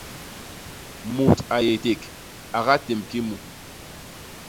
Mut a yé ték, a gatémb ki mu.